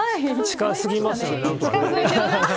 近過ぎますよね。